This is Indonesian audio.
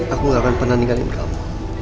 aku gak akan pernah ninggalin kamu